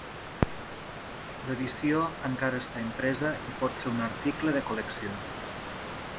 L' edició encara està impresa i pot ser un article de col·lecció.